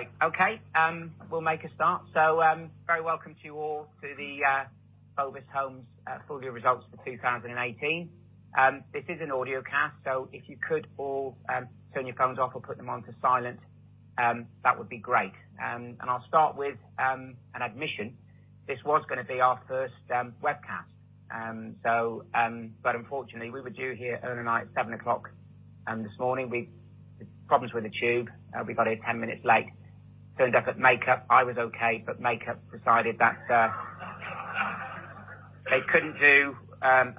Okay. Great. Okay. We'll make a start. Very welcome to you all, to the Bovis Homes full year results for 2018. This is an audio cast, if you could all turn your phones off or put them onto silent, that would be great. I'll start with an admission. This was going to be our first webcast. Unfortunately, we were due here, Earl and I, at 7:00 A.M. this morning. Problems with the tube. We got here 10 minutes late. Ended up at makeup. I was okay, but makeup decided that they couldn't do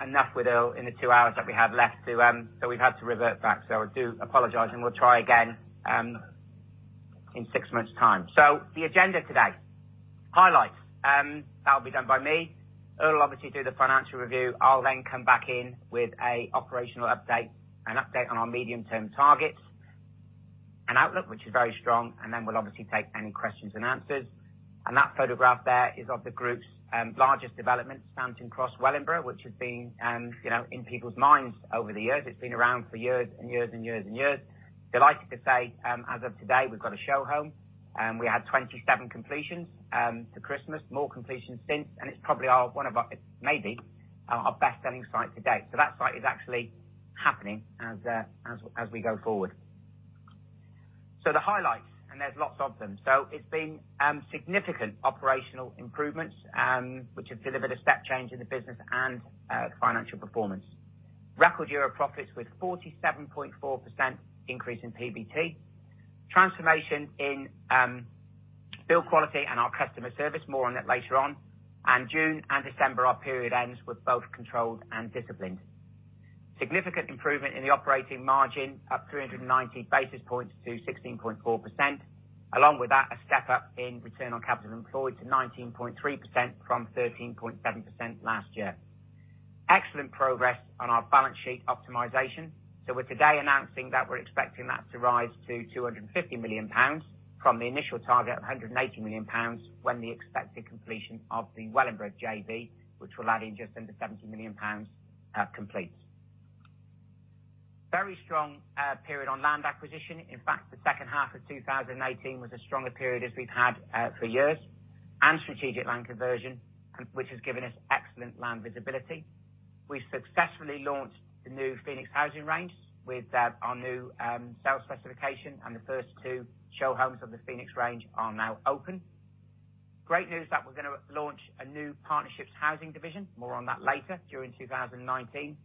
enough with Earl in the two hours that we had left, so we've had to revert back. I do apologize, and we'll try again in six months' time. The agenda today. Highlights. That'll be done by me. Earl will obviously do the financial review. I'll then come back in with an operational update and update on our medium-term targets and outlook, which is very strong, and then we'll obviously take any questions and answers. That photograph there is of the group's largest development, Stanton Cross, Wellingborough, which has been in people's minds over the years. It's been around for years and years and years and years. Delighted to say, as of today, we've got a show home, and we had 27 completions to Christmas, more completions since, and it's probably one of our, maybe our best-selling site to date. That site is actually happening as we go forward. The highlights, and there's lots of them. It's been significant operational improvements, which have delivered a step change in the business and financial performance. Record year of profits with 47.4% increase in PBT. Transformation in build quality and our customer service. More on that later on. June and December, our period ends with both controlled and disciplined. Significant improvement in the operating margin, up 390 basis points to 16.4%. Along with that, a step up in return on capital employed to 19.3% from 13.7% last year. Excellent progress on our balance sheet optimization. We're today announcing that we're expecting that to rise to 250 million pounds from the initial target of 180 million pounds when the expected completion of the Wellingborough JV, which will add in just under 70 million pounds, completes. Very strong period on land acquisition. In fact, the second half of 2018 was as strong a period as we've had for years. Strategic land conversion, which has given us excellent land visibility. We've successfully launched the new Phoenix housing range with our new sales specification, and the first two show homes of the Phoenix range are now open. Great news that we're going to launch a new partnerships housing division. More on that later, during 2019.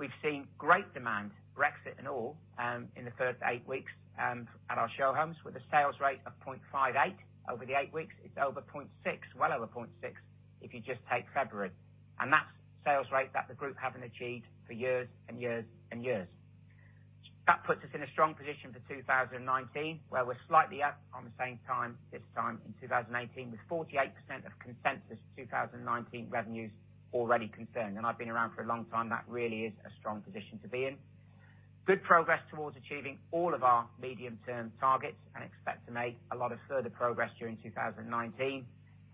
We've seen great demand, Brexit and all, in the first eight weeks at our show homes with a sales rate of 0.58 over the eight weeks. It's over 0.6, well over 0.6, if you just take February. That's sales rate that the group haven't achieved for years and years and years. That puts us in a strong position for 2019, where we're slightly up on the same time this time in 2018, with 48% of consensus 2019 revenues already confirmed. I've been around for a long time, that really is a strong position to be in. Good progress towards achieving all of our medium-term targets and expect to make a lot of further progress during 2019.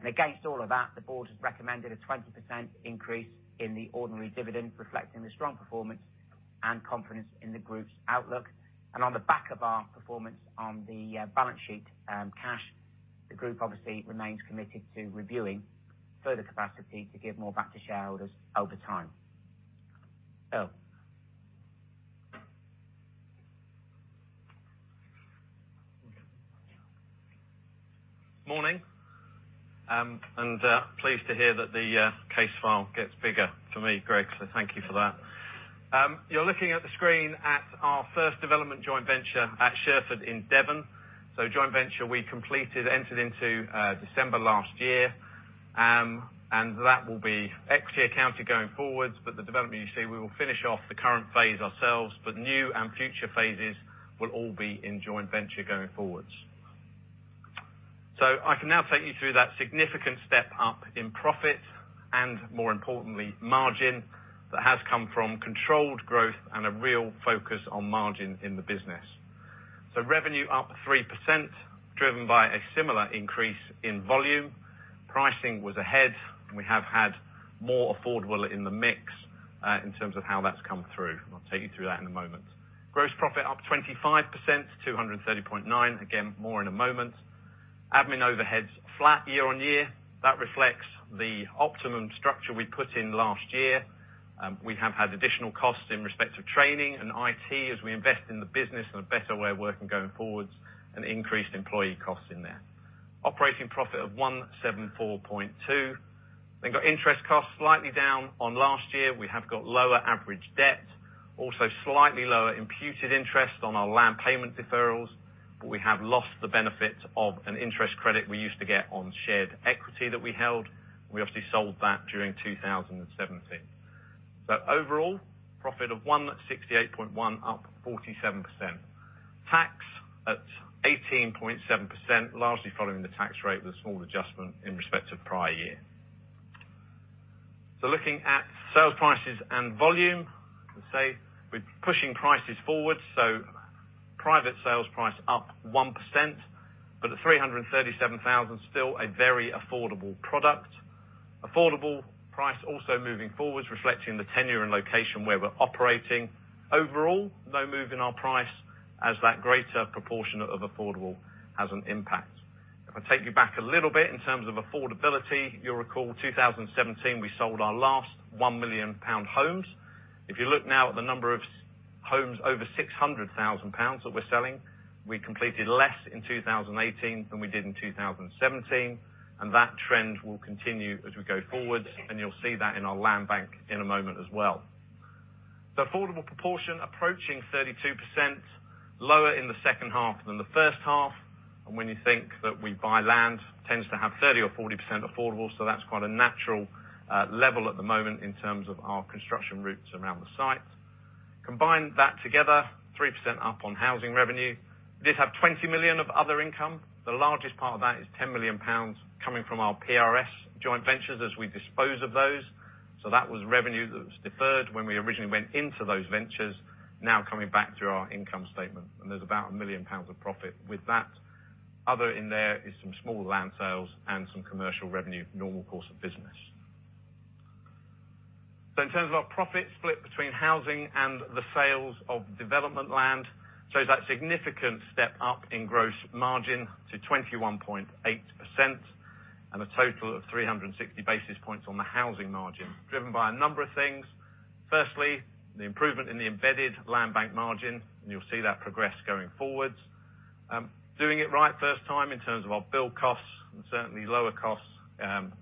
Against all of that, the board has recommended a 20% increase in the ordinary dividend, reflecting the strong performance and confidence in the group's outlook. On the back of our performance on the balance sheet cash, the group obviously remains committed to reviewing further capacity to give more back to shareholders over time. Earl. Morning. Pleased to hear that the case file gets bigger for me, Greg, so thank you for that. You're looking at the screen at our first development joint venture at Sherford in Devon. Joint venture we completed, entered into December last year. That will be ex-year accounted going forwards. The development you see, we will finish off the current phase ourselves, but new and future phases will all be in joint venture going forwards. I can now take you through that significant step up in profit and, more importantly, margin that has come from controlled growth and a real focus on margin in the business. Revenue up 3%, driven by a similar increase in volume. Pricing was ahead. We have had more affordable in the mix in terms of how that's come through, and I'll take you through that in a moment. Gross profit up 25% to 230.9 million. Again, more in a moment. Admin overheads flat year-on-year. That reflects the optimum structure we put in last year. We have had additional costs in respect of training and IT as we invest in the business and a better way of working going forwards and increased employee costs in there. Operating profit of 174.2 million. Got interest costs slightly down on last year. We have got lower average debt. Also slightly lower imputed interest on our land payment deferrals. We have lost the benefit of an interest credit we used to get on shared equity that we held. We obviously sold that during 2017. Overall, profit of 168.1 million, up 47%. Tax at 18.7%, largely following the tax rate with a small adjustment in respect of prior year. Looking at sales prices and volume, say we're pushing prices forward. Private sales price up 1%, but at 337,000, still a very affordable product. Affordable price also moving forwards, reflecting the tenure and location where we're operating. Overall, no move in our price as that greater proportion of affordable has an impact. If I take you back a little bit in terms of affordability, you'll recall 2017, we sold our last 1 million pound homes. If you look now at the number of homes over 600,000 pounds that we're selling, we completed less in 2018 than we did in 2017, and that trend will continue as we go forward, and you'll see that in our land bank in a moment as well. Affordable proportion approaching 32%, lower in the second half than the first half. When you think that we buy land, tends to have 30% or 40% affordable, that is quite a natural level at the moment in terms of our construction routes around the site. Combine that together, 3% up on housing revenue. Did have 20 million of other income. The largest part of that is 10 million pounds coming from our PRS joint ventures as we dispose of those. That was revenue that was deferred when we originally went into those ventures, now coming back through our income statement, and there is about 1 million pounds of profit with that. Other in there is some small land sales and some commercial revenue, normal course of business. In terms of our profit split between housing and the sales of development land, shows that significant step up in gross margin to 21.8% and a total of 360 basis points on the housing margin, driven by a number of things. Firstly, the improvement in the embedded land bank margin, and you will see that progress going forwards. Doing it right first time in terms of our build costs, and certainly lower costs,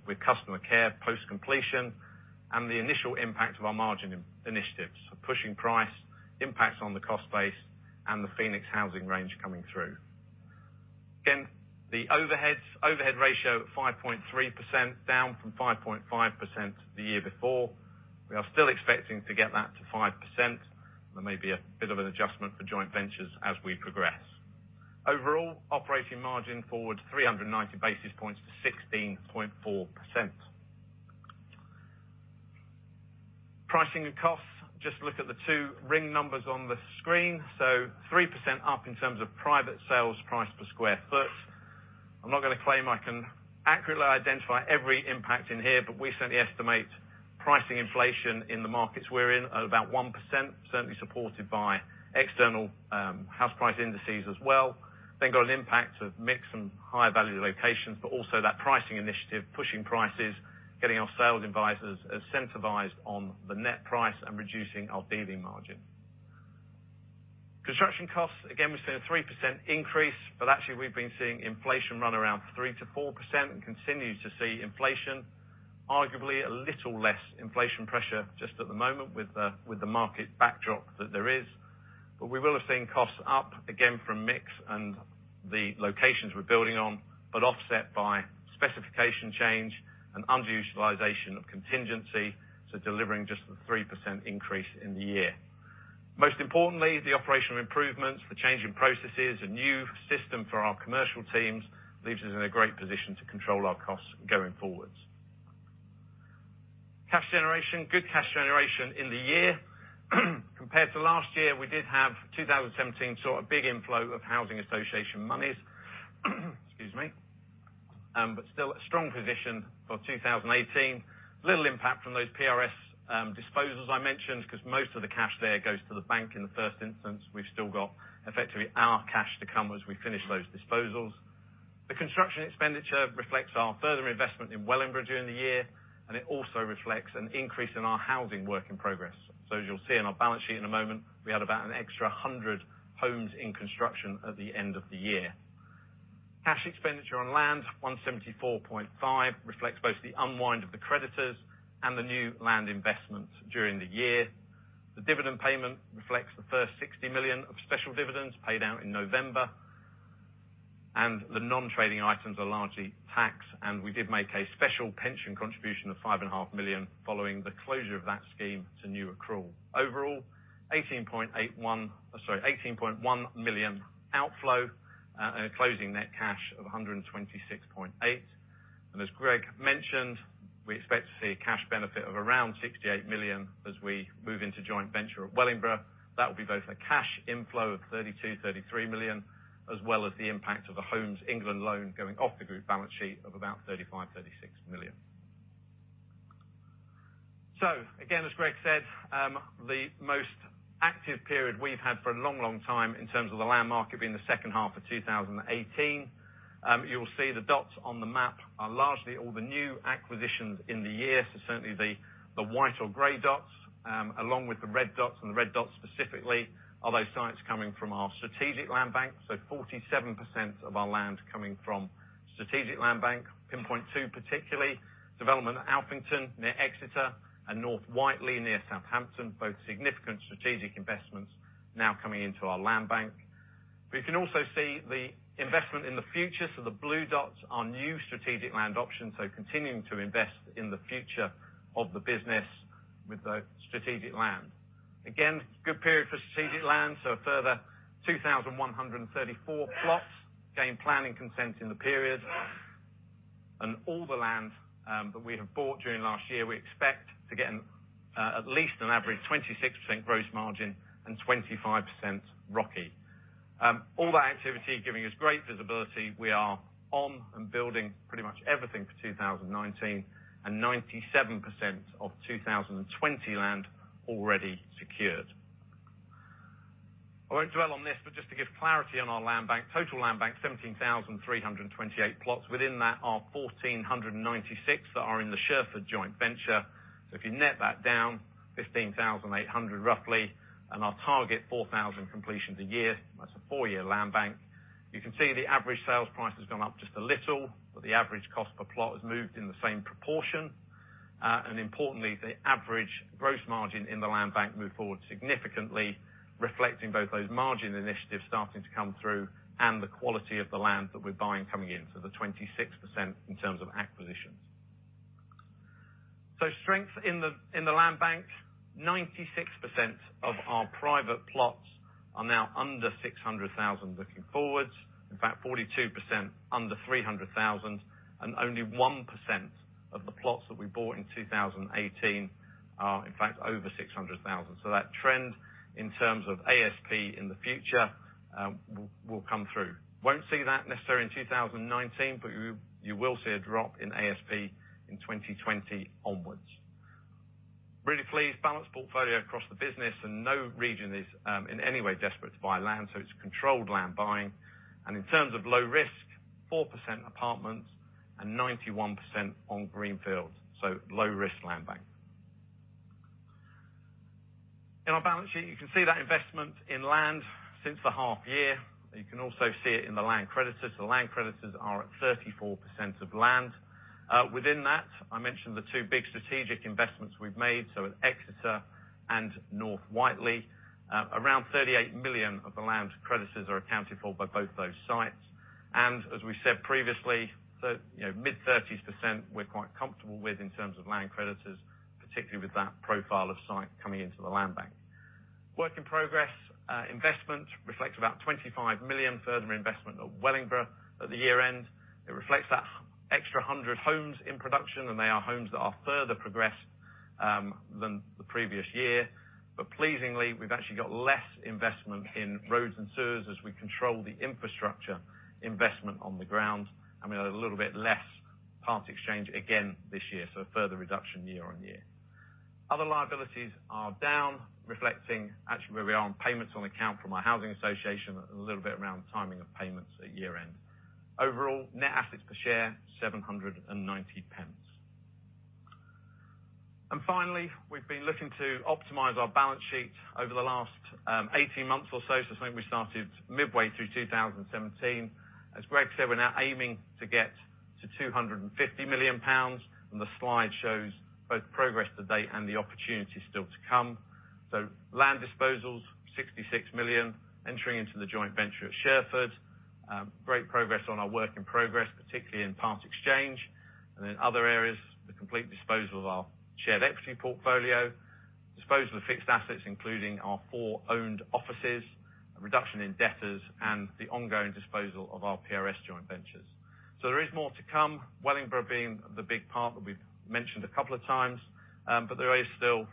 with customer care post-completion, and the initial impact of our margin initiatives. Pushing price, impacts on the cost base, and the Phoenix housing range coming through. Again, the overhead ratio at 5.3%, down from 5.5% the year before. We are still expecting to get that to 5%. There may be a bit of an adjustment for joint ventures as we progress. Overall, operating margin forward 390 basis points to 16.4%. Pricing and costs, just look at the two ring numbers on the screen. Three percent up in terms of private sales price per square foot. I am not going to claim I can accurately identify every impact in here, but we certainly estimate pricing inflation in the markets we are in at about 1%, certainly supported by external house price indices as well. Got an impact of mix and higher value locations, but also that pricing initiative, pushing prices, getting our sales advisors incentivized on the net price and reducing our dealing margin. Construction costs, again, we have seen a 3% increase, but actually we have been seeing inflation run around 3%-4% and continue to see inflation. Arguably, a little less inflation pressure just at the moment with the market backdrop that there is. We will have seen costs up again from mix and the locations we are building on, but offset by specification change and underutilization of contingency, so delivering just the 3% increase in the year. Most importantly, the operational improvements, the change in processes, a new system for our commercial teams, leaves us in a great position to control our costs going forwards. Cash generation, good cash generation in the year. Compared to last year, we did have 2017 saw a big inflow of housing association monies. Excuse me. Still a strong position for 2018. Little impact from those PRS disposals I mentioned, because most of the cash there goes to the bank in the first instance. We have still got effectively our cash to come as we finish those disposals. The construction expenditure reflects our further investment in Wellingborough during the year, it also reflects an increase in our housing work in progress. As you'll see on our balance sheet in a moment, we had about an extra 100 homes in construction at the end of the year. Cash expenditure on land, 174.5 million, reflects both the unwind of the creditors and the new land investment during the year. The dividend payment reflects the first 60 million of special dividends paid out in November. The non-trading items are largely tax, and we did make a special pension contribution of 5.5 million following the closure of that scheme to new accrual. Overall, 18.1 million outflow, and a closing net cash of 126.8 million. As Greg mentioned, we expect to see a cash benefit of around 68 million as we move into joint venture at Wellingborough. That will be both a cash inflow of 32 million-33 million, as well as the impact of the Homes England loan going off the group balance sheet of about 35 million-36 million. Again, as Greg said, the most active period we've had for a long, long time in terms of the land market being the second half of 2018. You'll see the dots on the map are largely all the new acquisitions in the year. Certainly, the white or gray dots, along with the red dots, and the red dots specifically are those sites coming from our strategic land bank. 47% of our land coming from strategic land bank. Pinpoint 2, particularly. Development at Alphington, near Exeter, and North Whiteley, near Southampton, both significant strategic investments now coming into our land bank. You can also see the investment in the future. The blue dots are new strategic land options, so continuing to invest in the future of the business with the strategic land. Again, good period for strategic land, so a further 2,134 plots gained planning consent in the period. All the land that we have bought during last year, we expect to get at least an average 26% gross margin and 25% ROCE. All that activity giving us great visibility. We are on and building pretty much everything for 2019, and 97% of 2020 land already secured. I won't dwell on this, but just to give clarity on our land bank, total land bank 17,328 plots. Within that are 1,496 that are in the Sherford joint venture. If you net that down, 15,800 roughly, and our target 4,000 completions a year, that's a four-year land bank. You can see the average sales price has gone up just a little, but the average cost per plot has moved in the same proportion. Importantly, the average gross margin in the land bank moved forward significantly, reflecting both those margin initiatives starting to come through, and the quality of the land that we're buying coming in. The 26% in terms of acquisitions. Strength in the land bank. 96% of our private plots are now under 600,000 looking forwards. In fact, 42% under 300,000, and only 1% of the plots that we bought in 2018 are in fact over 600,000. That trend in terms of ASP in the future, will come through. Won't see that necessarily in 2019, but you will see a drop in ASP in 2020 onwards. Really pleased, balanced portfolio across the business, and no region is in any way desperate to buy land, so it's controlled land buying. In terms of low risk, 4% apartments and 91% on greenfield. Low risk land bank. In our balance sheet, you can see that investment in land since the half year. You can also see it in the land creditors. The land creditors are at 34% of land. Within that, I mentioned the two big strategic investments we've made, so in Exeter and North Whiteley. Around 38 million of the land creditors are accounted for by both those sites. As we said previously, mid-30%s we're quite comfortable with in terms of land creditors, particularly with that profile of site coming into the land bank. Work in progress investment reflects about 25 million further investment at Wellingborough at the year-end. It reflects that extra 100 homes in production, and they are homes that are further progressed than the previous year. Pleasingly, we've actually got less investment in roads and sewers as we control the infrastructure investment on the ground, and we had a little bit less part exchange again this year. A further reduction year-on-year. Other liabilities are down, reflecting actually where we are on payments on account from our housing association, a little bit around timing of payments at year-end. Overall, net assets per share, 7.90. Finally, we've been looking to optimize our balance sheet over the last 18 months or so it's when we started midway through 2017. As Greg said, we're now aiming to get to 250 million pounds, and the slide shows both progress to date and the opportunities still to come. Land disposals, 66 million. Entering into the joint venture at Sherford. Great progress on our work in progress, particularly in part exchange. Other areas, the complete disposal of our shared equity portfolio, disposal of fixed assets, including our four owned offices, a reduction in debtors, and the ongoing disposal of our PRS joint ventures. There is more to come. Wellingborough being the big part that we've mentioned a couple of times. But there is still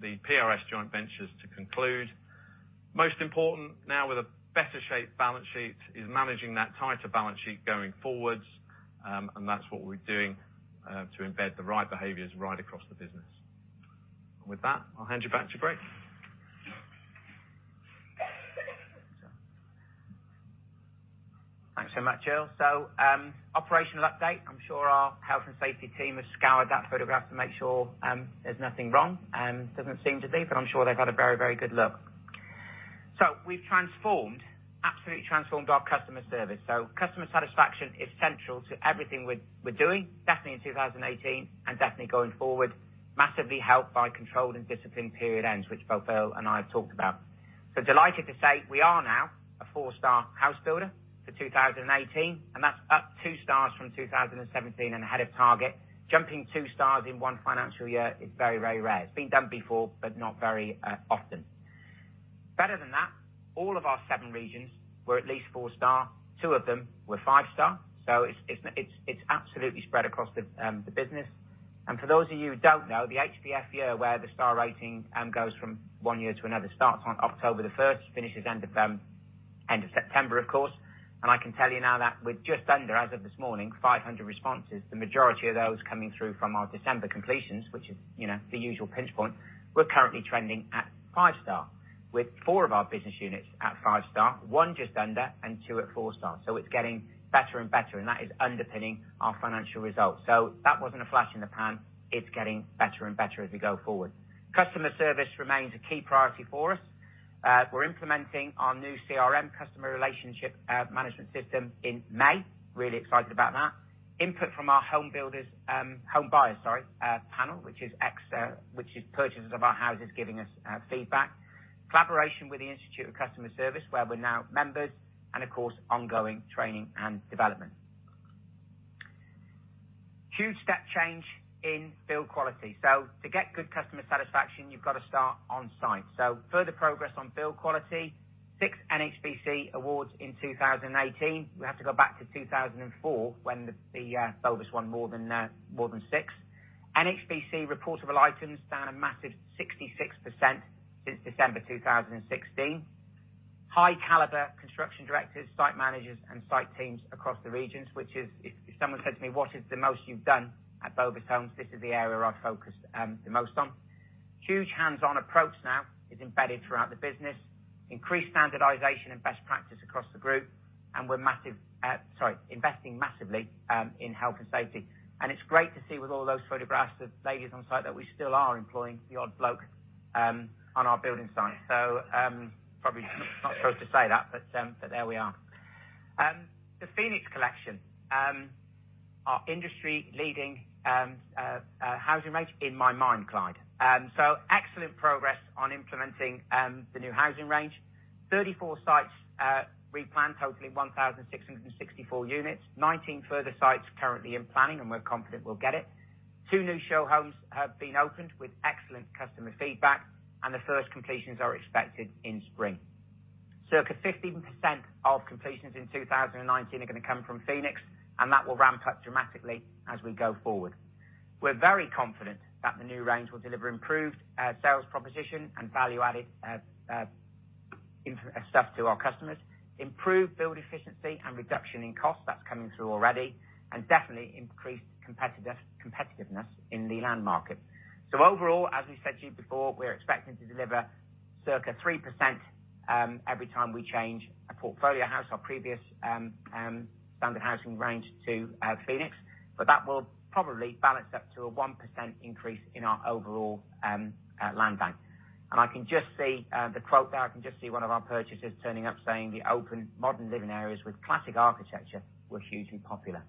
the PRS joint ventures to conclude. Most important now with a better shape balance sheet is managing that tighter balance sheet going forwards, and that's what we're doing, to embed the right behaviors right across the business. With that, I'll hand you back to Greg. Thanks so much, Earl. Operational update. I'm sure our health and safety team have scoured that photograph to make sure there's nothing wrong. Doesn't seem to be, but I'm sure they've had a very good look. We've transformed, absolutely transformed our customer service. Customer satisfaction is central to everything we're doing, definitely in 2018 and definitely going forward. Massively helped by controlled and disciplined period ends, which both Earl and I have talked about. Delighted to say we are now a four-star house builder for 2018, and that's up two stars from 2017 and ahead of target. Jumping two stars in one financial year is very rare. It's been done before, but not very often. Better than that, all of our seven regions were at least four-star. Two of them were five-star. It's absolutely spread across the business. For those of you who don't know, the HBF year where the star rating goes from one year to another starts on October 1st, finishes end of September, of course. I can tell you now that with just under, as of this morning, 500 responses, the majority of those coming through from our December completions, which is the usual pinch point, we're currently trending at five-star. With four of our business units at five-star, one just under and two at four-star. It's getting better and better, and that is underpinning our financial results. That wasn't a flash in the pan. It's getting better and better as we go forward. Customer service remains a key priority for us. We're implementing our new CRM, customer relationship management system in May. Really excited about that. Input from our home buyers, sorry, panel, which is purchasers of our houses giving us feedback. Collaboration with the Institute of Customer Service, where we're now members, and of course, ongoing training and development. Huge step change in build quality. To get good customer satisfaction, you've got to start on site. Further progress on build quality, six NHBC awards in 2018. We have to go back to 2004 when BH won more than six. NHBC reportable items down a massive 66% since December 2016. High caliber construction directors, site managers, and site teams across the regions, which if someone says to me, "What is the most you've done at Bovis Homes?" This is the area I focused the most on. Huge hands-on approach now is embedded throughout the business. Increased standardization and best practice across the group, and we're investing massively in health and safety. It's great to see with all those photographs, the ladies on site that we still are employing the odd bloke on our building site. Probably not supposed to say that, but there we are. The Phoenix Collection, our industry leading housing range in my mind, Clyde. Excellent progress on implementing the new housing range. 34 sites replanned, totaling 1,664 units. 19 further sites currently in planning, and we're confident we'll get it. Two new show homes have been opened with excellent customer feedback, and the first completions are expected in spring. Circa 15% of completions in 2019 are going to come from Phoenix, and that will ramp up dramatically as we go forward. We're very confident that the new range will deliver improved sales proposition and value-added stuff to our customers. Improved build efficiency and reduction in cost, that's coming through already, and definitely increased competitiveness in the land market. Overall, as we said to you before, we're expecting to deliver circa 3% every time we change a portfolio house, our previous standard housing range to Phoenix. That will probably balance up to a 1% increase in our overall land bank. I can just see the quote there. I can just see one of our purchasers turning up saying the open modern living areas with classic architecture were hugely popular.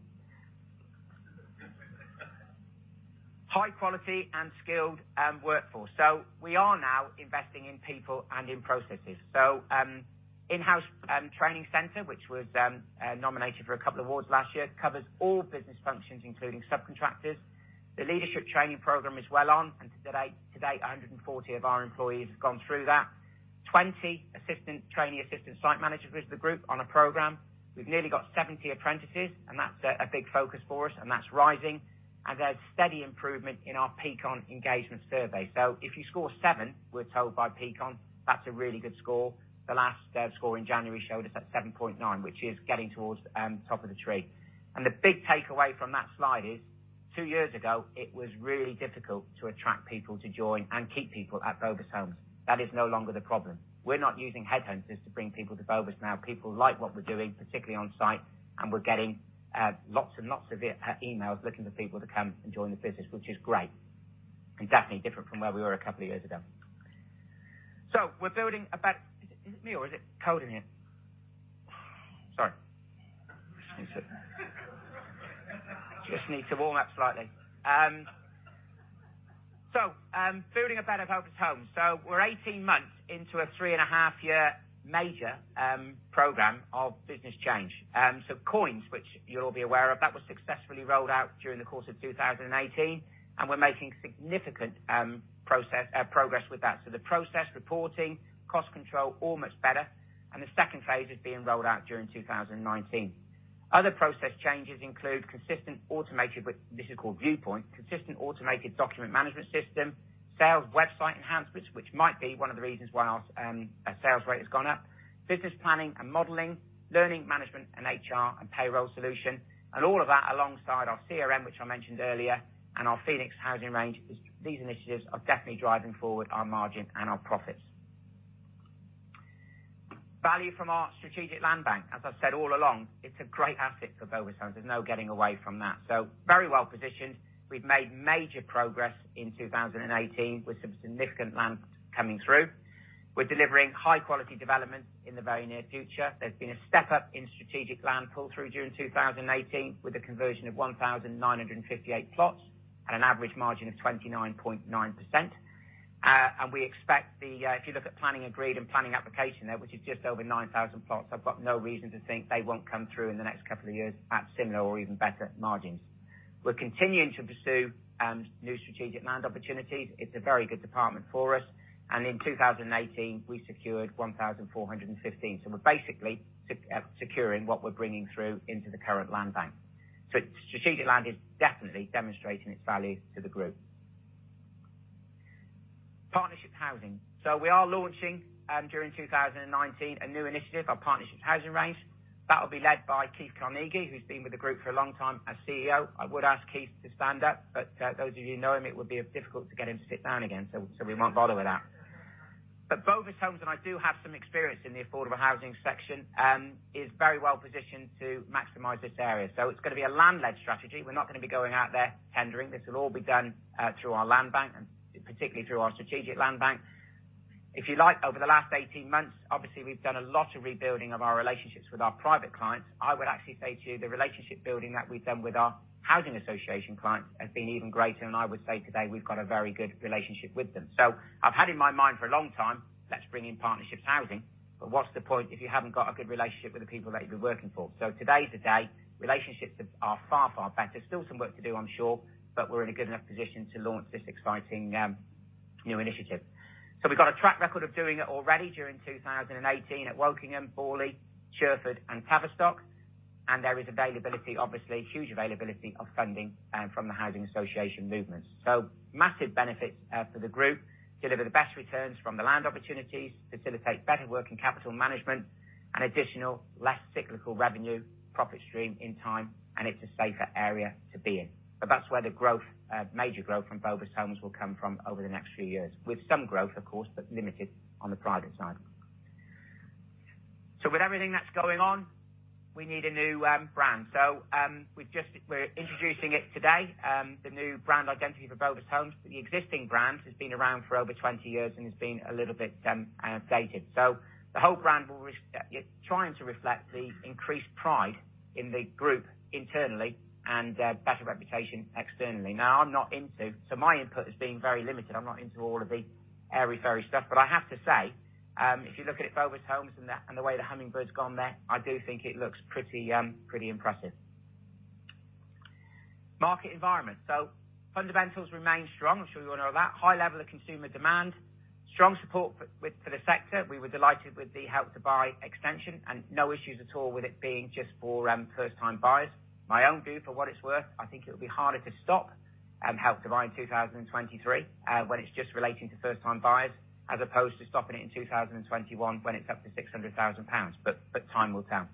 High quality and skilled workforce. We are now investing in people and in processes. In-house training center, which was nominated for a couple awards last year, covers all business functions, including subcontractors. The leadership training program is well on, and to date, 140 of our employees have gone through that. 20 trainee assistant site managers with the group on a program. We've nearly got 70 apprentices, and that's a big focus for us, and that's rising. A steady improvement in our Peakon engagement survey. If you score seven, we're told by Peakon, that's a really good score. The last score in January showed us at 7.9, which is getting towards top of the tree. The big takeaway from that slide is two years ago, it was really difficult to attract people to join and keep people at Bovis Homes. That is no longer the problem. We're not using headhunters to bring people to Bovis now. People like what we're doing, particularly on site, and we're getting lots and lots of emails looking for people to come and join the business, which is great and definitely different from where we were a couple of years ago. We're building about. Is it me or is it cold in here? Sorry. Just need to warm up slightly. Building a better Bovis Homes. We're 18 months into a 3.5-year major program of business change. COINS, which you'll all be aware of, that was successfully rolled out during the course of 2018, and we're making significant progress with that. The process reporting, cost control, all much better, and the second phase is being rolled out during 2019. Other process changes include consistent automated, this is called Viewpoint, consistent automated document management system, sales website enhancements, which might be one of the reasons why our sales rate has gone up. Business planning and modeling, learning management, and HR and payroll solution. All of that alongside our CRM, which I mentioned earlier, and our Phoenix housing range. These initiatives are definitely driving forward our margin and our profits. Value from our strategic land bank. As I've said all along, it's a great asset for Bovis Homes. There's no getting away from that. Very well positioned. We've made major progress in 2018 with some significant land coming through. We're delivering high quality developments in the very near future. There's been a step up in strategic land pull through during 2018 with a conversion of 1,958 plots at an average margin of 29.9%. We expect the. If you look at planning agreed and planning application there, which is just over 9,000 plots, I've got no reason to think they won't come through in the next couple of years at similar or even better margins. We're continuing to pursue new strategic land opportunities. It's a very good department for us. In 2018, we secured 1,415 plots. We're basically securing what we're bringing through into the current land bank. Strategic land is definitely demonstrating its value to the group. Partnership housing. We are launching, during 2019, a new initiative, our partnerships housing range. That will be led by Keith Carnegie, who's been with the group for a long time as CEO. I would ask Keith to stand up, but those of you who know him, it would be difficult to get him to sit down again, so we won't bother with that. Bovis Homes, and I do have some experience in the affordable housing section, is very well positioned to maximize this area. It's going to be a land-led strategy. We're not going to be going out there tendering. This will all be done through our land bank and particularly through our strategic land bank. Over the last 18 months, obviously, we've done a lot of rebuilding of our relationships with our private clients. I would actually say to you the relationship building that we've done with our housing association clients has been even greater. I would say today we've got a very good relationship with them. I've had in my mind for a long time, let's bring in Partnerships Housing. What's the point if you haven't got a good relationship with the people that you've been working for? Today's the day. Relationships are far, far better. Still, some work to do, I'm sure, but we're in a good enough position to launch this exciting new initiative. We've got a track record of doing it already during 2018 at Wokingham, Boorley, Sherford and Tavistock. There is availability, obviously huge availability of funding from the housing association movements. Massive benefits for the group: deliver the best returns from the land opportunities, facilitate better working capital management, an additional less cyclical revenue profit stream in time, and it's a safer area to be in. That's where the major growth from Bovis Homes will come from over the next few years, with some growth, of course, but limited on the private side. With everything that's going on, we need a new brand. We're introducing it today, the new brand identity for Bovis Homes. The existing brand has been around for over 20 years and has been a little bit outdated. The whole brand, we're trying to reflect the increased pride in the group internally and better reputation externally. Now, I'm not into, my input has been very limited, I'm not into all of the airy-fairy stuff, but I have to say, if you look at Bovis Homes and the way the hummingbird's gone there, I do think it looks pretty impressive. Market environment. Fundamentals remain strong. I'm sure you all know that. High level of consumer demand, strong support for the sector. We were delighted with the Help to Buy extension and no issues at all with it being just for first-time buyers. My own view, for what it's worth, I think it would be harder to stop Help to Buy in 2023 when it's just relating to first-time buyers as opposed to stopping it in 2021 when it's up to 600,000 pounds, but time will tell.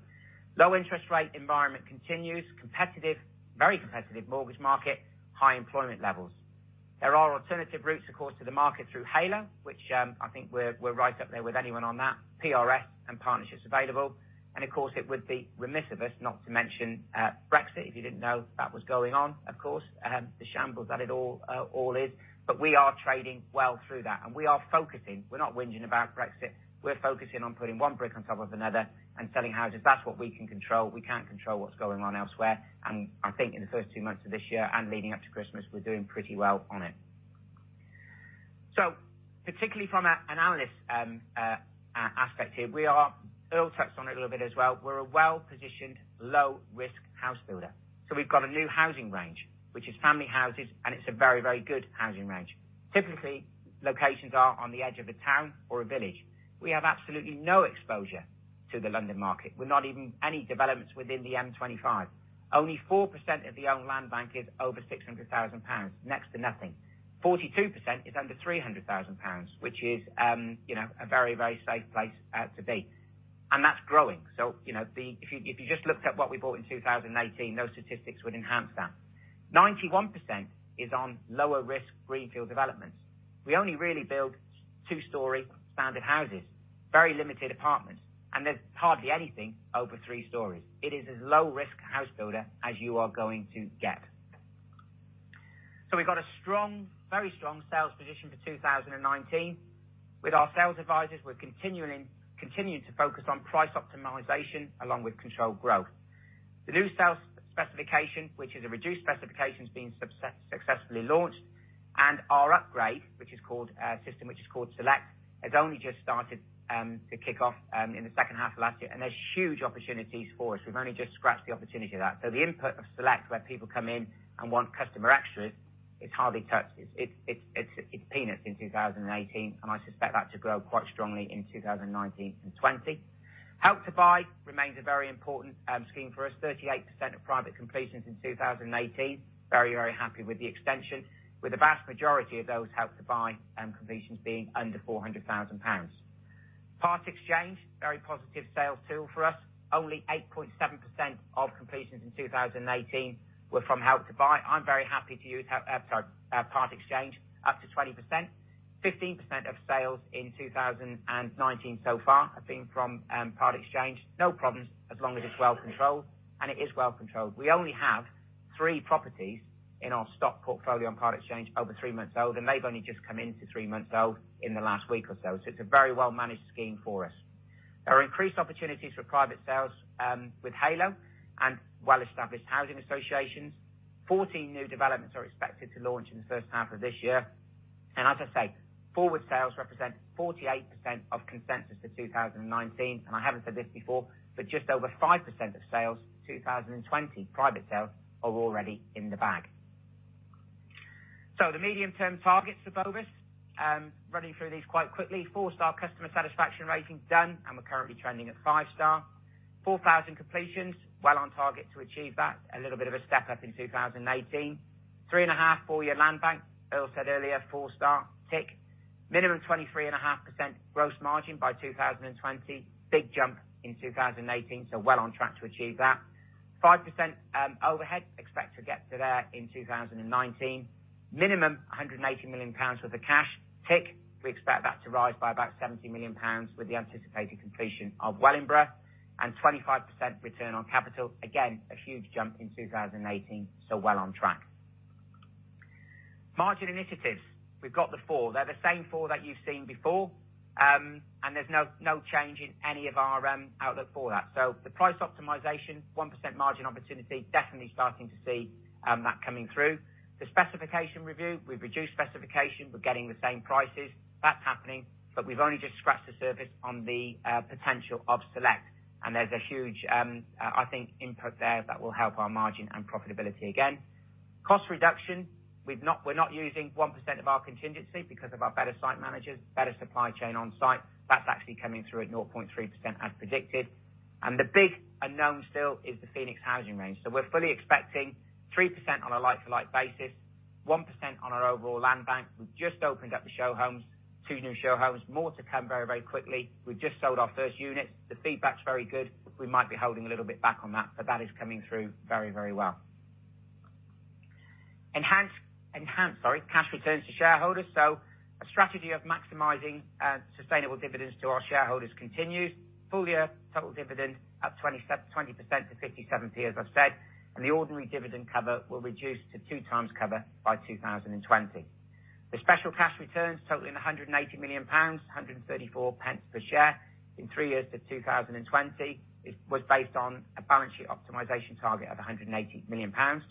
Low interest rate environment continues. Competitive, very competitive mortgage market, high employment levels. There are alternative routes, of course, to the market through Heylo, which I think we're right up there with anyone on that, PRS and partnerships available. Of course, it would be remiss of us not to mention Brexit. If you didn't know that was going on, of course, the shambles that it all is. We are trading well through that and we are focusing. We're not whinging about Brexit. We're focusing on putting one brick on top of another and selling houses. That's what we can control. We can't control what's going on elsewhere. I think in the first two months of this year and leading up to Christmas, we're doing pretty well on it. Particularly from an analyst aspect here, Earl touched on it a little bit as well. We're a well-positioned, low-risk housebuilder. We've got a new housing range, which is family houses. It's a very good housing range. Typically, locations are on the edge of a town or a village. We have absolutely no exposure to the London market. We're not even any developments within the M25. Only 4% of the owned land bank is over 600,000 pounds, next to nothing. 42% is under 300,000 pounds, which is a very safe place to be. That's growing. If you just looked at what we bought in 2018, those statistics would enhance that. 91% is on lower risk greenfield developments. We only really build two-story standard houses, very limited apartments, and there's hardly anything over three stories. It is as low risk house builder as you are going to get. We got a very strong sales position for 2019. With our sales advisors, we're continuing to focus on price optimization along with controlled growth. The new sales specification, which is a reduced specification, has been successfully launched. Our upgrade system, which is called Select, has only just started to kick off in the second half of last year, and there's huge opportunities for us. We've only just scratched the opportunity of that. The input of Select, where people come in and want customer extras, it's hardly touched. It's peanuts in 2018. I suspect that to grow quite strongly in 2019 and 2020. Help to Buy remains a very important scheme for us. 38% of private completions in 2018. Very happy with the extension, with the vast majority of those Help to Buy completions being under 400,000 pounds. Part exchange, very positive sales tool for us. Only 8.7% of completions in 2018 were from Help to Buy. I'm very happy to use part exchange up to 20%. 15% of sales in 2019 so far have been from part exchange. No problems as long as it's well controlled, and it is well controlled. We only have three properties in our stock portfolio on part exchange over three months old, and they've only just come into three months old in the last week or so. It's a very well-managed scheme for us. There are increased opportunities for private sales with Heylo and well-established housing associations. 14 new developments are expected to launch in the first half of this year. As I say, forward sales represent 48% of consensus for 2019. I haven't said this before, but just over 5% of sales, 2020 private sales are already in the bag. The medium term targets for Bovis, running through these quite quickly. Four-star customer satisfaction rating done, and we're currently trending at five-star. 4,000 completions. Well on target to achieve that. A little bit of a step up in 2018. Three and a half, four-year landbank. Earl said earlier, four-star, tick. Minimum 23.5% gross margin by 2020. Big jump in 2018. Well on track to achieve that. 5% overhead. Expect to get to there in 2019. Minimum 180 million pounds worth of cash, tick. We expect that to rise by about 70 million pounds with the anticipated completion of Wellingborough. 25% return on capital. Again, a huge jump in 2018. Well on track. Margin initiatives. We've got the four. They're the same four that you've seen before. There's no change in any of our outlook for that. The price optimization, 1% margin opportunity, definitely starting to see that coming through. The specification review, we've reduced specification. We're getting the same prices. That's happening. We've only just scratched the surface on the potential of Select. There's a huge, I think, input there that will help our margin and profitability again. Cost reduction, we're not using 1% of our contingency because of our better site managers, better supply chain on site. That's actually coming through at 0.3% as predicted. The big unknown still is the Phoenix housing range. We're fully expecting 3% on a like-to-like basis, 1% on our overall land bank. We've just opened up the show homes, two new show homes, more to come very quickly. We've just sold our first unit. The feedback's very good. We might be holding a little bit back on that, but that is coming through very well. Enhance, sorry, cash returns to shareholders. A strategy of maximizing sustainable dividends to our shareholders continues. Full year total dividend up 20% to 0.57, as I've said. The ordinary dividend cover will reduce to 2x cover by 2020. The special cash returns totaling 180 million pounds, 1.34 per share. In three years to 2020, it was based on a balance sheet optimization target of 180 million pounds.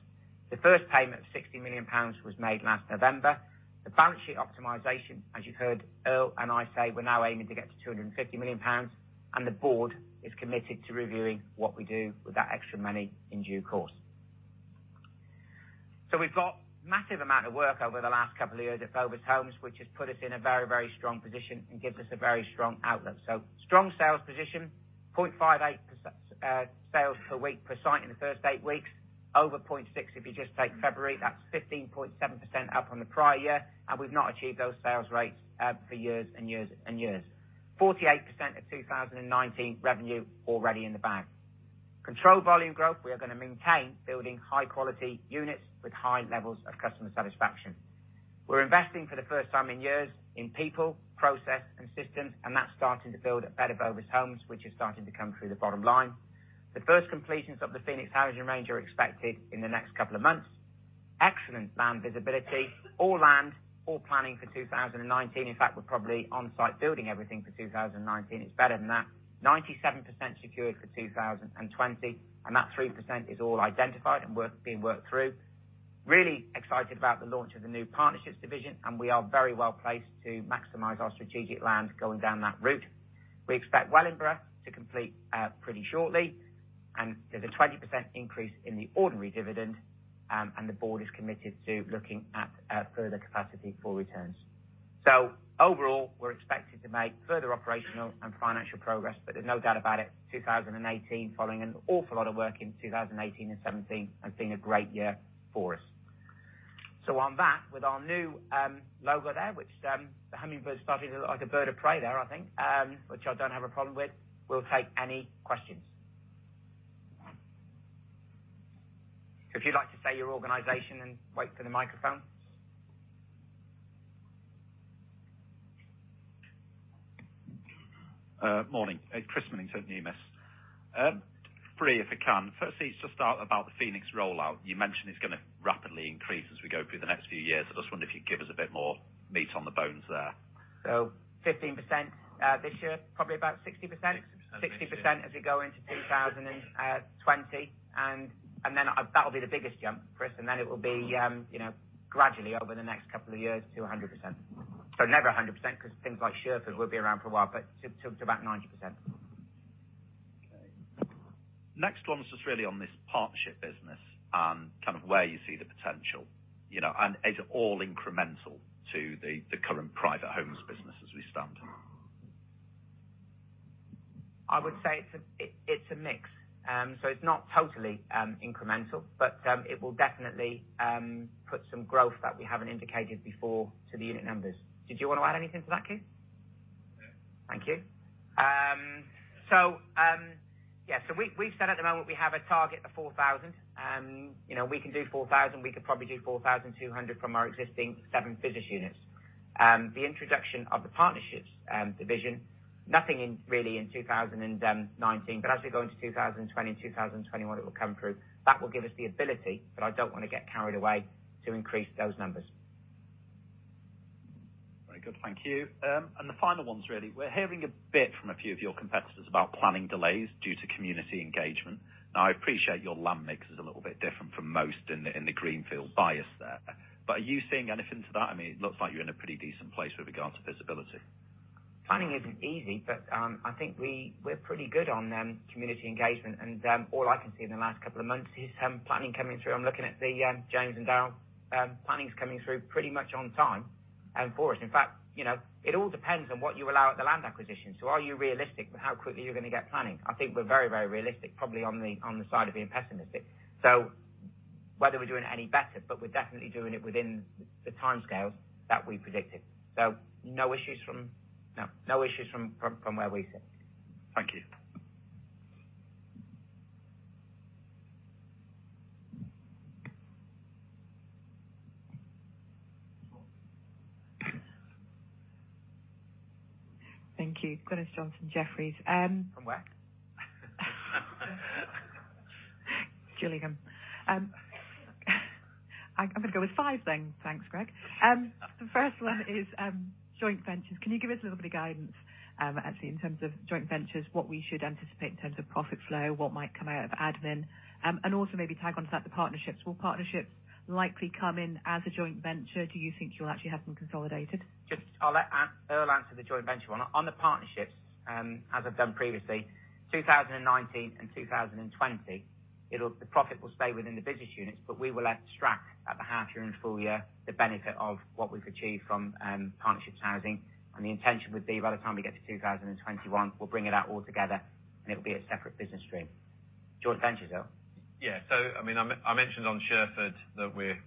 The first payment of 60 million pounds was made last November. The balance sheet optimization, as you heard Earl and I say, we're now aiming to get to 250 million pounds, and the board is committed to reviewing what we do with that extra money in due course. We've got massive amount of work over the last couple of years at Bovis Homes, which has put us in a very strong position and gives us a very strong outlook. Strong sales position, 0.58 sales per week per site in the first eight weeks. Over 0.6 if you just take February. That's 15.7% up on the prior year, we've not achieved those sales rates for years and years. 48% of 2019 revenue already in the bag. Controlled volume growth we are going to maintain building high quality units with high levels of customer satisfaction. We're investing for the first time in years in people, process, and systems and that's starting to build a better Bovis Homes, which is starting to come through the bottom line. The first completions of the Phoenix housing range are expected in the next couple of months. Excellent land visibility. All land, all planning for 2019. In fact, we're probably on site building everything for 2019. It's better than that. 97% secured for 2020, that 3% is all identified and being worked through. Really excited about the launch of the new partnerships division, we are very well placed to maximize our strategic land going down that route. We expect Wellingborough to complete pretty shortly. There's a 20% increase in the ordinary dividend, the board is committed to looking at further capacity for returns. Overall, we're expected to make further operational and financial progress, but there's no doubt about it, 2018 following an awful lot of work in 2018 and 2017 has been a great year for us. On that, with our new logo there, which the hummingbird's starting to look like a bird of prey there, I think, which I don't have a problem with. We'll take any questions. If you'd like to say your organization and wait for the microphone. Morning. Chris Millington, from Numis. Three if I can. Firstly, to start about the Phoenix rollout. You mentioned it's going to rapidly increase as we go through the next few years. I just wonder if you'd give us a bit more meat on the bones there. 15% this year, probably about 60% as we go into 2020. That'll be the biggest jump, Chris, and then it will be gradually over the next couple of years to 100%. Never 100% because things like Sherford will be around for a while, but to about 90%. Okay. Next one was just really on this partnership business and kind of where you see the potential. Is it all incremental to the current private homes business as we stand? I would say it's a mix. It's not totally incremental, but it will definitely put some growth that we haven't indicated before to the unit numbers. Did you want to add anything to that, Keith? No. Thank you. We've said at the moment we have a target of 4,000. We can do 4,000. We could probably do 4,200 from our existing seven business units. The introduction of the partnerships division, nothing really in 2019, but as we go into 2020, 2021, it will come through. That will give us the ability, but I don't want to get carried away to increase those numbers. Very good, thank you. The final ones really. We're hearing a bit from a few of your competitors about planning delays due to community engagement. I appreciate your land mix is a little bit different from most in the greenfield bias there. Are you seeing anything to that? I mean, it looks like you're in a pretty decent place with regards to visibility. Planning isn't easy, but I think we're pretty good on community engagement and all I can see in the last couple of months is planning coming through. I'm looking at the James and Dale. Planning's coming through pretty much on time for us. In fact, it all depends on what you allow at the land acquisition. Are you realistic with how quickly you're going to get planning? I think we're very realistic, probably on the side of being pessimistic. Whether we're doing it any better, but we're definitely doing it within the timescales that we predicted. No issues from where we sit. Thank you. Thank you. Glynis Johnson, Jefferies. From where? Gillingham. I'm going to go with five then. Thanks, Greg. The first one is joint ventures. Can you give us a little bit of guidance, actually, in terms of joint ventures, what we should anticipate in terms of profit flow, what might come out of admin? Also maybe tag on to that the partnerships. Will partnerships likely come in as a joint venture? Do you think you'll actually have them consolidated? I'll let Earl answer the joint venture one. On the partnerships, as I've done previously, 2019 and 2020, the profit will stay within the business units, but we will extract at the half year and full year the benefit of what we've achieved from partnerships housing. The intention would be by the time we get to 2021, we'll bring it out all together and it'll be a separate business stream. Joint ventures, Earl. I mentioned on Sherford that we're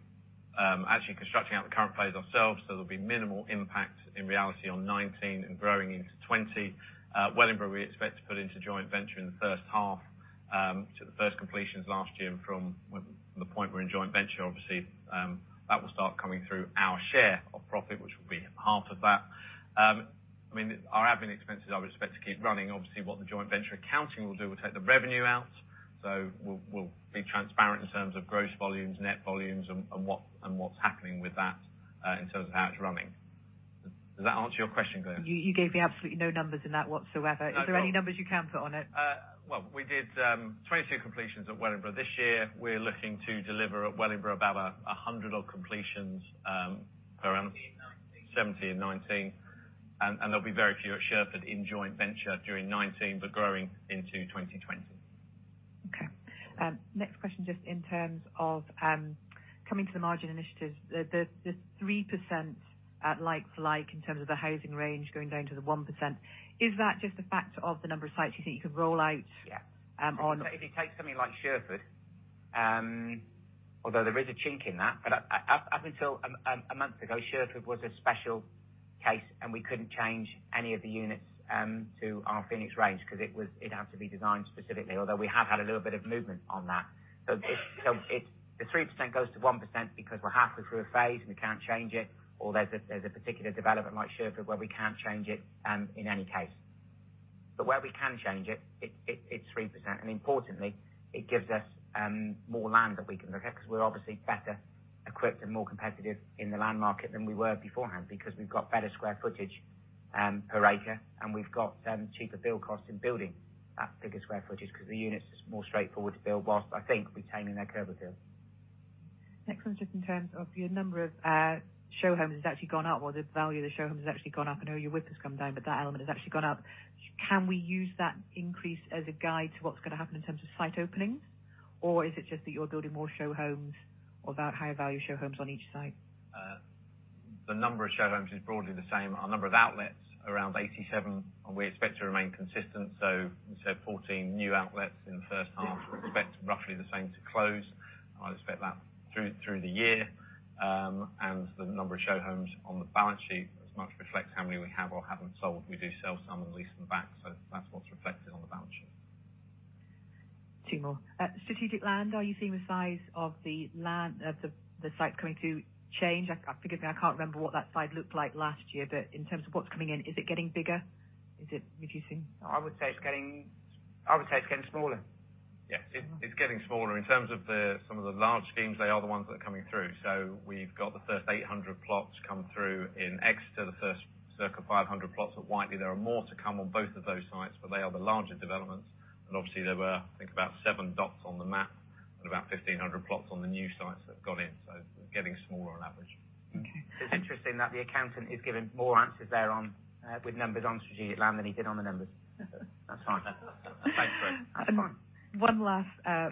actually constructing out the current phase ourselves, so there'll be minimal impact in reality on 2019 and growing into 2020. Wellingborough, we expect to put into joint venture in the first half to the first completions last year from the point we're in joint venture, obviously. That will start coming through our share of profit, which will be half of that. Our admin expenses I would expect to keep running. What the joint venture accounting will do, we'll take the revenue out. We'll be transparent in terms of gross volumes, net volumes, and what's happening with that, in terms of how it's running. Does that answer your question, Glyn? You gave me absolutely no numbers in that whatsoever. No. Is there any numbers you can put on it? We did 27 completions at Wellingborough. This year, we're looking to deliver at Wellingborough about 100 odd completions around- 2019. 2019, there'll be very few at Sherford in joint venture during 2019, growing into 2020. Okay. Next question, just in terms of coming to the margin initiatives. The 3% at like for like in terms of the housing range going down to the 1%, is that just a factor of the number of sites you think you can roll out- Yeah on- If you take something like Sherford, although there is a chink in that, up until a month ago, Sherford was a special case and we couldn't change any of the units to our Phoenix range because it had to be designed specifically. We have had a little bit of movement on that. The 3% goes to 1% because we're halfway through a phase and we can't change it, or there's a particular development like Sherford where we can't change it in any case. Where we can change it's 3%. Importantly, it gives us more land that we can look at because we're obviously better equipped and more competitive in the land market than we were beforehand because we've got better square footage per acre and we've got cheaper build costs in building that bigger square footage because the unit's more straightforward to build whilst I think retaining their curb appeal. Next one's just in terms of your number of show homes has actually gone up, or the value of the show homes has actually gone up. I know your width has come down, but that element has actually gone up. Can we use that increase as a guide to what's going to happen in terms of site openings? Or is it just that you're building more show homes or higher value show homes on each site? The number of show homes is broadly the same. Our number of outlets around 87, and we expect to remain consistent. We said 14 new outlets in the first half. We expect roughly the same to close. I'd expect that through the year. The number of show homes on the balance sheet as much reflects how many we have or haven't sold. We do sell some and lease them back. That's what's reflected on the balance sheet. Two more. Strategic land. Are you seeing the size of the site coming to change? Forgive me, I can't remember what that slide looked like last year, but in terms of what's coming in, is it getting bigger? Is it reducing? I would say it's getting smaller. Yes. It's getting smaller. In terms of some of the large schemes, they are the ones that are coming through. We've got the first 800 plots come through in Exeter, the first circa 500 plots at Whiteley. There are more to come on both of those sites, but they are the larger developments. Obviously there were, I think, about seven dots on the map and about 1,500 plots on the new sites that have gone in, so getting smaller on average. Okay. It's interesting that the accountant is giving more answers there with numbers on strategic land than he did on the numbers. That's fine. Thanks, Greg. That's fine. One last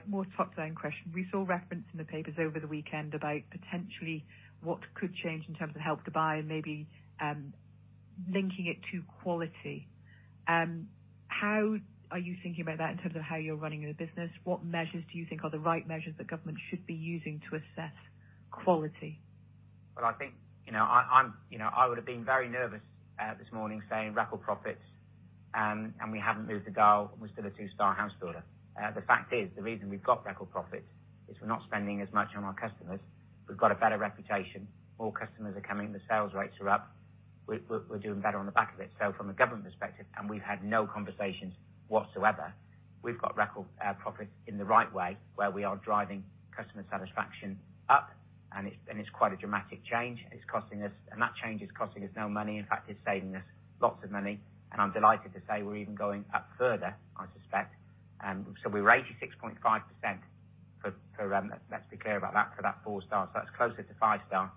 more top line question. We saw reference in the papers over the weekend about potentially what could change in terms of Help to Buy and maybe linking it to quality. How are you thinking about that in terms of how you're running the business? What measures do you think are the right measures the government should be using to assess quality? Well, I would have been very nervous this morning saying record profits, we haven't moved the dial and we're still a two-star house builder. The fact is, the reason we've got record profits is we're not spending as much on our customers. We've got a better reputation. More customers are coming. The sales rates are up. We're doing better on the back of it. From a government perspective, and we've had no conversations whatsoever, we've got record profits in the right way, where we are driving customer satisfaction up, and it's quite a dramatic change. That change is costing us no money. In fact, it's saving us lots of money. I'm delighted to say we're even going up further, I suspect. We were 86.5%, let's be clear about that, for that four-star. That's closer to five-star.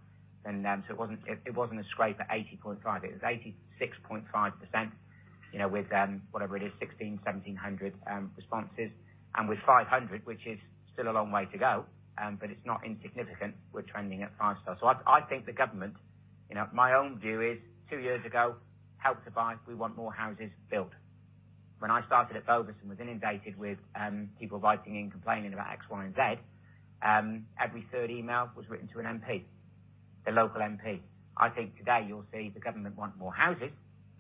It wasn't a scrape at 80.5%. It was 86.5% with whatever it is, 1,700 responses. With 500, which is still a long way to go, but it's not insignificant, we're trending at five-star. I think the government, my own view is two years ago, Help to Buy, we want more houses built. When I started at Bovis and was inundated with people writing in complaining about X, Y, and Z, every third email was written to an MP, the local MP. I think today you'll see the government want more houses,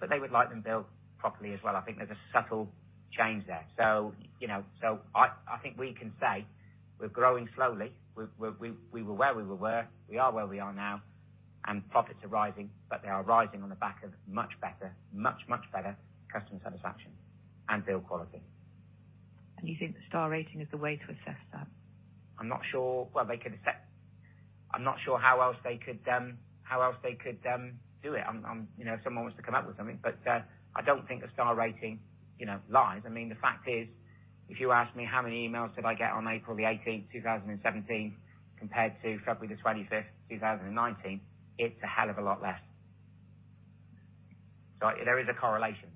but they would like them built properly as well. I think there's a subtle change there. I think we can say we're growing slowly. We were where we were. We are where we are now. Profits are rising, but they are rising on the back of much better, much, much better customer satisfaction and build quality. You think the star rating is the way to assess that? I'm not sure how else they could do it. If someone wants to come up with something, but I don't think a star rating lies. The fact is, if you ask me how many emails did I get on April the 18th, 2017, compared to February the 25th, 2019, it's a hell of a lot less. There is a correlation,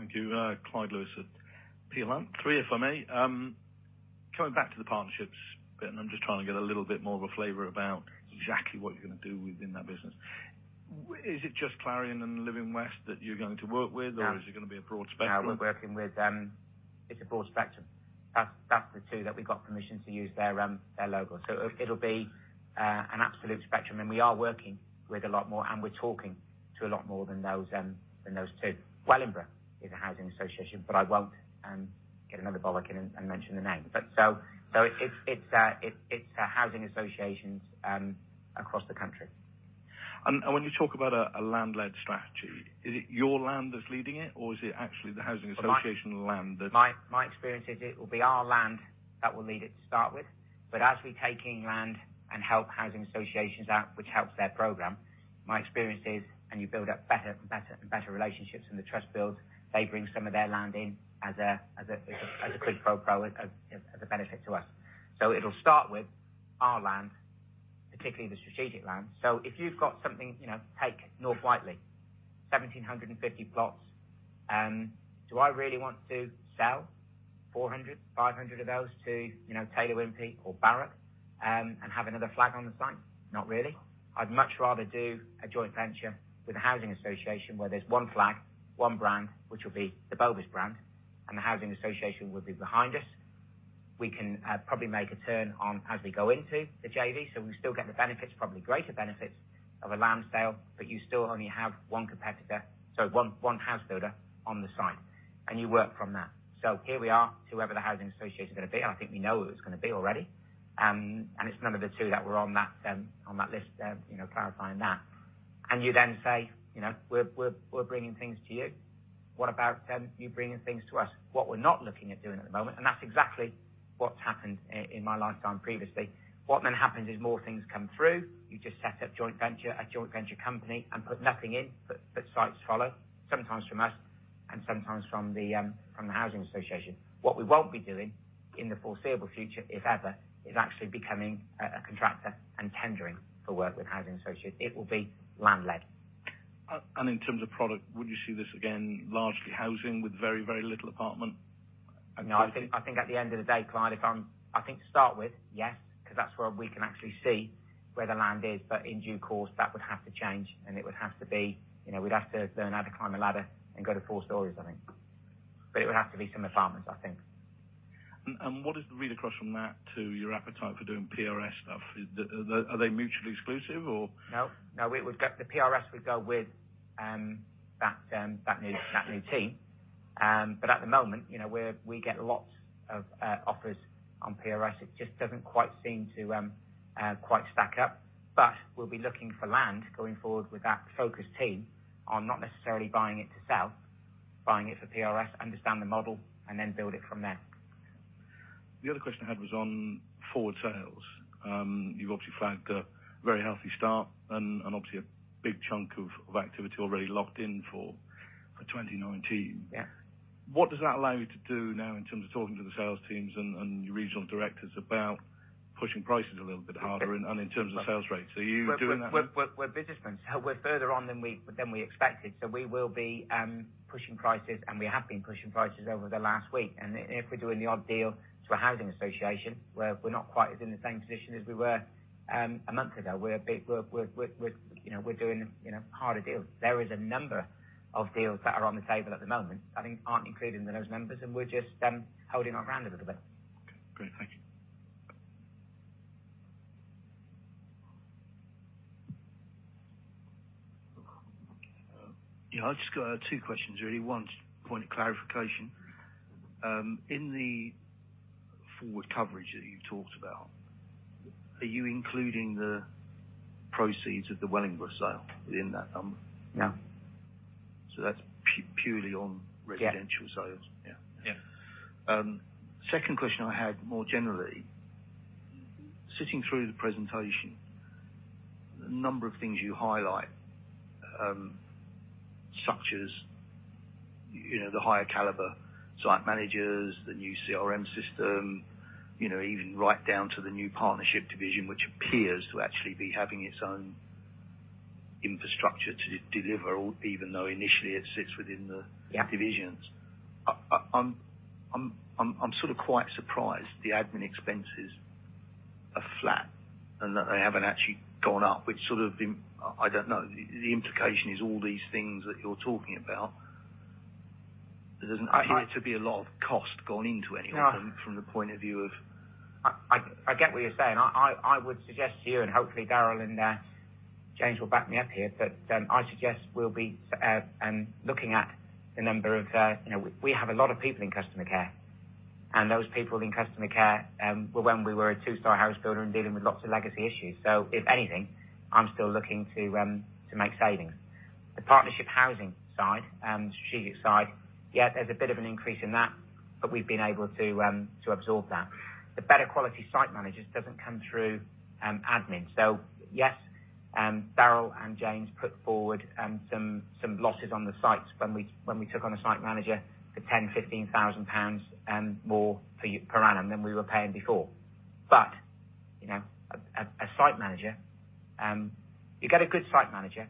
that's the point. Thank you. Clyde Lewis at Peel Hunt. Three, if I may. Coming back to the partnerships bit, and I'm just trying to get a little bit more of a flavor about exactly what you're going to do within that business. Is it just Clarion and LiveWest that you're going to work with- No or is it going to be a broad spectrum? No, It's a broad spectrum. That's the two that we got permission to use their logo. It'll be an absolute spectrum, and we are working with a lot more, and we're talking to a lot more than those two. Wellingborough is a housing association, but I won't get another bollocking and mention the name. It's housing associations across the country. When you talk about a land-led strategy, is it your land that's leading it, or is it actually the housing association land that- My experience is it will be our land that will lead it to start with, but as we take in land and help housing associations out, which helps their program, my experience is, and you build up better and better and better relationships, and the trust builds, they bring some of their land in as a quid pro quo, as a benefit to us. It'll start with our land, particularly the strategic land. If you've got something, take North Whiteley, 1,750 plots. Do I really want to sell 400 plots, 500 plots of those to Taylor Wimpey or Barratt and have another flag on the site? Not really. I'd much rather do a joint venture with a housing association where there's one flag, one brand, which will be the Bovis brand, and the housing association will be behind us. We can probably make a turn on as we go into the JV, so we still get the benefits, probably greater benefits of a land sale, but you still only have one house builder on the site, and you work from that. Here we are, whoever the housing association is going to be, and I think we know who it's going to be already, and it's none of the two that were on that list, clarifying that. You then say, "We're bringing things to you. What about you bringing things to us?" What we're not looking at doing at the moment, and that's exactly what's happened in my lifetime previously. What happens is more things come through. You just set up a joint venture company and put nothing in, but sites follow. Sometimes from us and sometimes from the housing association. What we won't be doing in the foreseeable future, if ever, is actually becoming a contractor and tendering for work with housing associations. It will be land-led. In terms of product, would you see this again, largely housing with very, very little apartment? I think at the end of the day, Clyde, to start with, yes, because that's where we can actually see where the land is. In due course, that would have to change and we'd have to learn how to climb a ladder and go to four stories, I think. It would have to be some apartments, I think. What is the read-across from that to your appetite for doing PRS stuff? Are they mutually exclusive or? No, the PRS would go with that new team. At the moment, we get lots of offers on PRS. It just doesn't quite seem to quite stack up. We'll be looking for land going forward with that focused team on not necessarily buying it to sell, buying it for PRS, understand the model, and then build it from there. The other question I had was on forward sales. You've obviously flagged a very healthy start and obviously a big chunk of activity already locked in for 2019. Yeah. What does that allow you to do now in terms of talking to the sales teams and your regional directors about pushing prices a little bit harder and in terms of sales rates? Are you doing that now? We're businessmen, we're further on than we expected. We will be pushing prices, and we have been pushing prices over the last week. If we're doing the odd deal to a housing association where we're not quite as in the same position as we were, a month ago, we're doing harder deals. There is a number of deals that are on the table at the moment, I think aren't included in those numbers. We're just holding our ground a little bit. Okay. Great. Thank you. I've just got two questions, really. One point of clarification. In the forward coverage that you talked about, are you including the proceeds of the Wellingborough sale within that number? No. That's purely on residential sales. Yeah. Yeah. Second question I had more generally, sitting through the presentation, the number of things you highlight, such as the higher caliber site managers, the new CRM system, even right down to the new partnership division, which appears to actually be having its own infrastructure to deliver, even though initially it sits within the divisions. Yeah. I'm sort of quite surprised the admin expenses are flat and that they haven't actually gone up. The implication is all these things that you're talking about, there seems to be a lot of cost gone into it. No From the point of view of. I get what you're saying. I would suggest to you, and hopefully Daryl and James will back me up here. We have a lot of people in customer care, and those people in customer care were when we were a two-star house builder and dealing with lots of legacy issues. If anything, I'm still looking to make savings. The partnership housing side, strategic side, yeah, there's a bit of an increase in that, but we've been able to absorb that. The better-quality site managers don't come through admin. Yes, Daryl and James put forward some losses on the sites when we took on a site manager for 10,000-15,000 pounds more per annum than we were paying before. A site manager, you get a good site manager,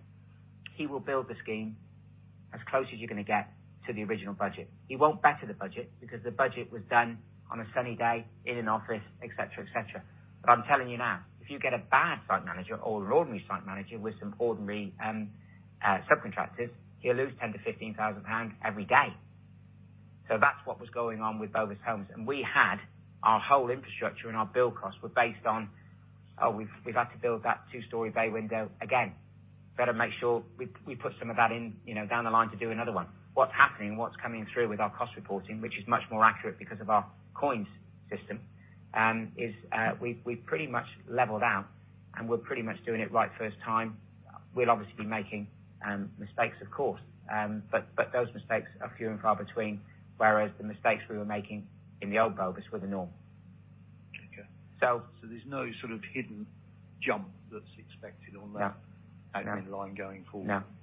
he will build the scheme as close as you're going to get to the original budget. He won't better the budget because the budget was done on a sunny day in an office, et cetera. I'm telling you now, if you get a bad site manager or an ordinary site manager with some ordinary subcontractors, you lose 10,000-15,000 pounds every day. That's what was going on with Bovis Homes. We had our whole infrastructure and our bill costs were based on, oh, we've had to build that two-story bay window again. Better make sure we put some of that in down the line to do another one. What's happening, what's coming through with our cost reporting, which is much more accurate because of our COINS system, is we've pretty much leveled out, and we're pretty much doing it right first time. We'll obviously be making mistakes, of course, but those mistakes are few and far between, whereas the mistakes we were making in the old Bovis were the norm. Okay. So- There's no sort of hidden jump that's expected on that- No admin line going forward. No. Okay. Thank you.